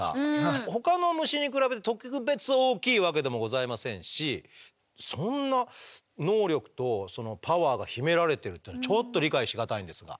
ほかの虫に比べて特別大きいわけでもございませんしそんな能力とそのパワーが秘められてるっていうのがちょっと理解し難いんですが。